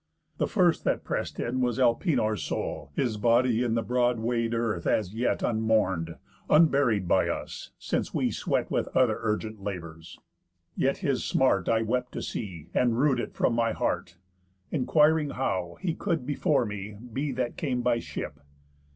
The first that press'd in was Elpenor's soul, His body in the broad way'd earth as yet Unmourn'd, unburied by us, since we swet With other urgent labours. Yet his smart I wept to see, and rued it from my heart, Enquiring how he could before me be That came by ship?